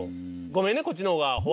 ごめんねこっちのほうが。